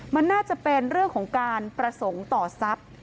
มันน่าจะเป็นเรื่องของการประสงค์ต่อทรัพย์